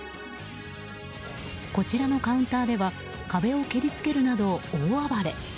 こちらのカウンターでは壁を蹴りつけるなど大暴れ。